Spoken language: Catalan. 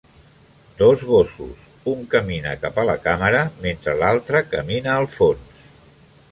Dos gossos, un camina cap a la càmera mentre l'altre camina al fons.